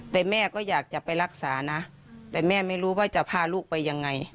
แต่แม่ก็อยากจะไปรักษานะแต่แม่ไม่รู้ว่าจะพาลูกไปยังไง